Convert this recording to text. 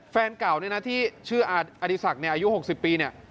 แฟนเก่าเนี่ยนะที่ชื่ออดีศักดิ์เนี่ยอายุ๖๐ปีเนี่ย